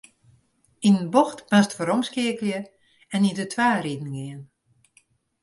Yn in bocht moatst weromskeakelje en yn de twa riden gean.